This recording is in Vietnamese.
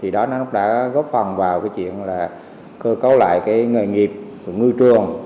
đó đã góp phần vào chuyện cơ cấu lại nghề nghiệp ngư trường